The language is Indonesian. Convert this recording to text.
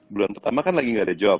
bulan pertama kan lagi gak ada job